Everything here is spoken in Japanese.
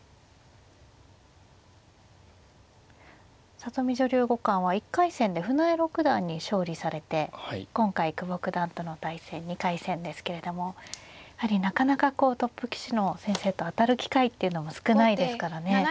里見女流五冠は１回戦で船江六段に勝利されて今回久保九段との対戦２回戦ですけれどもやはりなかなかこうトップ棋士の先生と当たる機会っていうのも少ないですからね。